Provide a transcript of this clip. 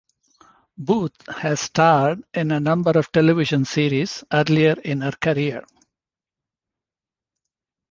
Booth has starred in a number of television series earlier in her career.